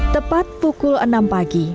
tepat pukul enam pagi